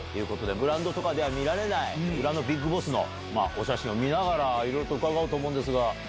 グラウンドとかでは見られない裏のＢＩＧＢＯＳＳのお写真を見ながらいろいろ伺おうと思うんですが。